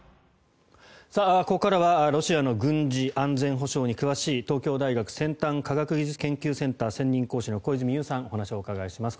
ここからはロシアの軍事・安全保障に詳しい東京大学先端科学技術研究センター専任講師の小泉悠さんにお話を伺います。